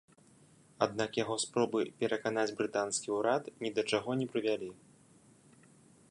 Аднак яго спробы пераканаць брытанскі ўрад ні да чаго не прывялі.